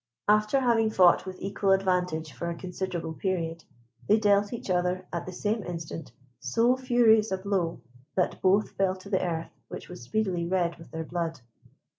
After having fought with equal advantage for a considerable period, they dealt each other at the same instant so furious a blow, that both fell to the earth which was speedily red with their blood.